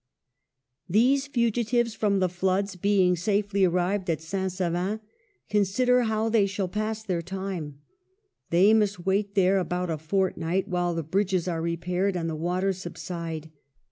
These fugitives from the floods, being safely arrived at St. Savin, consider how they shall pass their time. They must wait there about a fortnight while the bridges are repaired and the waters subside.